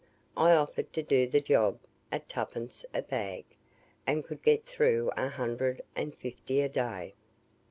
I offered to do the job at 2d. a bag, and could get through a hundred and fifty a day.